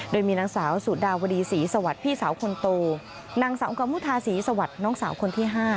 โดยมีนางสาวสุดาวดีศรีสวัสดิ์พี่สาวคนโตนางสาวกมุทาศรีสวัสดิ์น้องสาวคนที่๕